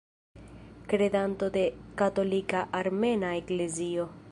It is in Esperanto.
Kredanto de Katolika Armena Eklezio.